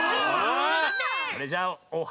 それじゃあ「オハ！